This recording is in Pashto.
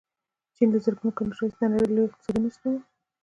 چین له زرګونو کلونو راهیسې د نړۍ له لویو اقتصادونو څخه و.